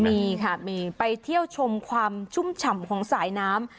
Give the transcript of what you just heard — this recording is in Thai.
มีค่ะมีไปเที่ยวชมความชุ่มฉ่ำของสายน้ำ